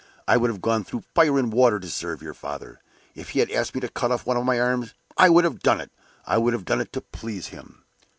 I would have gone through fire and water to serve your father! If he had asked me to cut off one of my arms, I would have done it I would have done it to please him!"